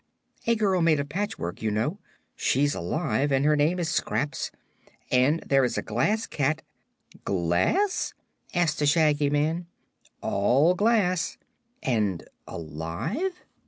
"A girl made of patchwork, you know. She's alive and her name is Scraps. And there's a Glass Cat " "Glass?" asked the Shaggy Man. "All glass." "And alive?"